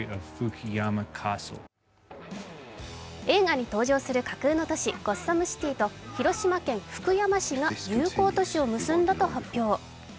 映画に登場する架空の都市、ゴッサム・シティと広島県福山市が友好都市を結んだと発表。